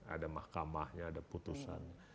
ada mahkamahnya ada putusan